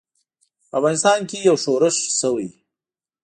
په افغانستان کې یو ښورښ شوی.